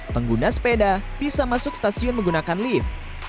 pengguna sepeda bisa masuk stasiun menggunakan lift